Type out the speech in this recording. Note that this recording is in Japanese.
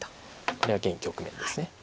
これが現局面です。